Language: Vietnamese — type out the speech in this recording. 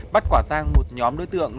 bắt quả tang một nhóm đối tượng